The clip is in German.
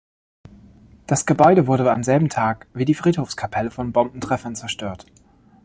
Das Gebäude wurde am selben Tag wie die Friedhofskapelle von Bombentreffern zerstört.